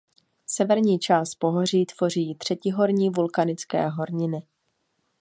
Severní část pohoří tvoří třetihorní vulkanické horniny.